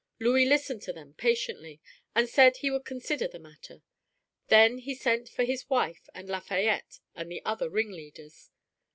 Louis listened to them patiently and said he would consider the matter. Then he sent for his wife and Lafayette and the other ringleaders.